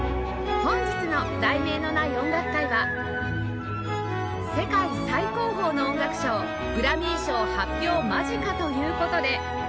本日の『題名のない音楽会』は世界最高峰の音楽ショーグラミー賞発表間近という事で